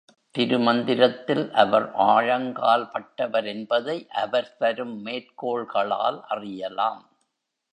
திருமந்திரத்தில் அவர் ஆழங்கால் பட்டவரென்பதை அவர் தரும் மேற்கோள்களால் அறியலாம்.